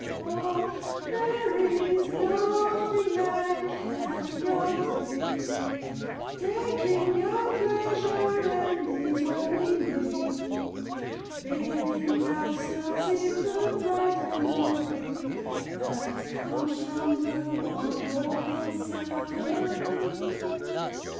"Oh! there is nothing like having our day Taking our pleasure and ease while we may Bathing ourselves in the bright, mellow ray That comes from the warm, golden sun!